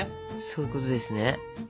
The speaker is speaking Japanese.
そういうことですね。